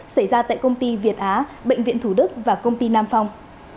xảy ra tại công ty việt á bệnh viện thủ đức và công ty nam phong